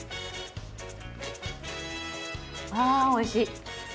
あぁおいしい。